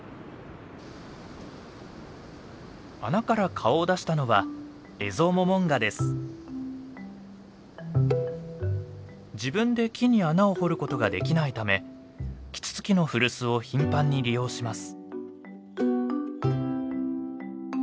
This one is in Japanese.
穴から顔を出したのは自分で木に穴を掘ることができないためキツツキの古巣を頻繁に利用します。